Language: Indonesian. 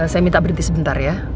saya minta berhenti sebentar ya